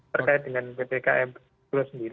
terkait dengan ptkm itu sendiri